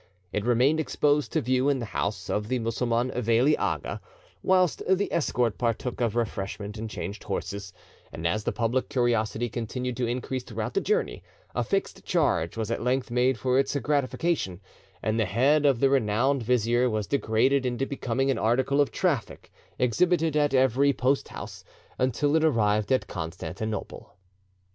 It remained exposed to view in the house of the Mussulman Veli Aga whilst the escort partook of refreshment and changed horses, and as the public curiosity continued to increase throughout the journey, a fixed charge was at length made for its gratification, and the head of the renowned vizier was degraded into becoming an article of traffic exhibited at every post house, until it arrived at Constantinople.